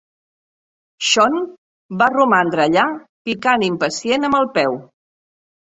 Sean va romandre allà picant impacient amb el peu.